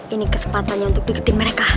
ini kesempatannya untuk ikutin mereka